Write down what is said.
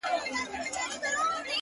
سیاه پوسي ده؛ ماسوم یې ژاړي؛